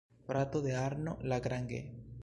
Frato de Arno Lagrange.